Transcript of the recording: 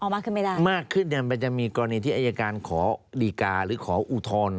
มากขึ้นไม่ได้มากขึ้นเนี่ยมันจะมีกรณีที่อายการขอดีกาหรือขออุทธรณ์